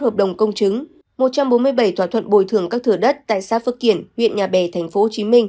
hai mươi một hợp đồng công chứng một trăm bốn mươi bảy thỏa thuận bồi thường các thửa đất tại xã phước kiển huyện nhà bè tp hcm